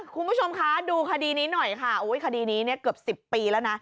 คุณผู้ชมคะดูคดีนี้หน่อยค่ะคดีนี้เนี่ยเกือบ๑๐ปีแล้วนะ